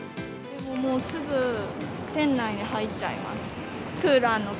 もうすぐ店内に入っちゃいます。